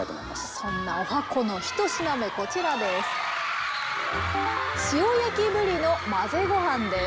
そんな十八番の１品目こちらです。